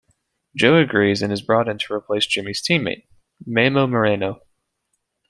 Joe agrees and is brought in to replace Jimmy's teammate, Memo Moreno.